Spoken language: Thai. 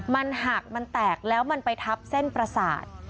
มันหักมันแตกแล้วมันไปทับเส้นประสาท